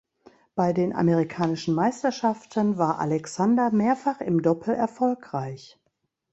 Bei den amerikanischen Meisterschaften war Alexander mehrfach im Doppel erfolgreich.